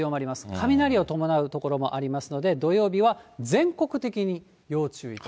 雷を伴う所もありますので、土曜日は全国的に要注意と。